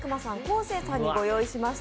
生さんにご用意しました。